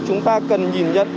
chúng ta cần nhìn nhận